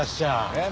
えっ？